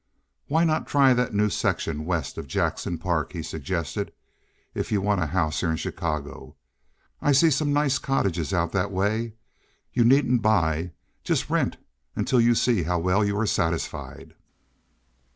"Why not try that new section west of Jackson Park," he suggested, "if you want a house here in Chicago? I see some nice cottages out that way. You needn't buy. Just rent until you see how well you're satisfied."